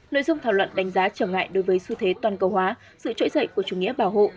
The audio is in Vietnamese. nội dung thảo luận đánh giá trở ngại đối với xu thế toàn cầu hóa sự trỗi dậy của chủ nghĩa bảo hộ